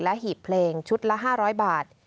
หีบเพลงชุดละ๕๐๐บาท